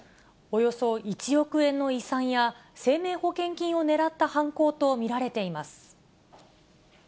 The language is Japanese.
およそ１億円の遺産や、生命保険金をねらった犯行と見られています。